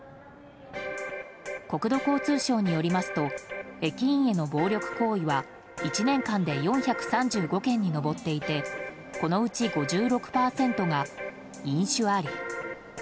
国土交通省によりますと駅員への暴力行為は１年間で４３５件に上っていてこのうち５６％が飲酒あり。